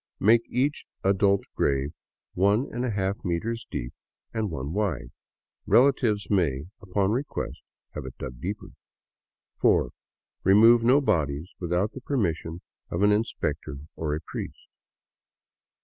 Make each adult grave 13^ meters deep and one wide. Relatives may, upon request, have it dug deeper. 4. Remove no bodies without the permission of an inspector or a priest."